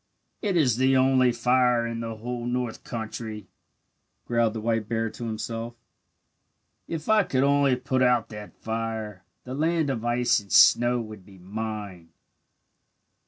"It is the only fire in the whole north country," growled the white bear to himself. "If I could only put out that fire the land of ice and snow would be mine.